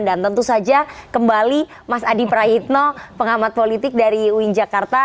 dan tentu saja kembali mas adi prahitno pengamat politik dari uin jakarta